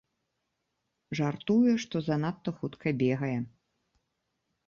Жартуе, што занадта хутка бегае.